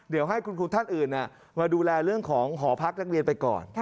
เดี๋ยวให้คุณครูท่านอื่นมาดูแลเรื่องของหอพักนักเรียนไปก่อน